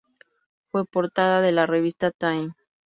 Fue portada de la revista Time.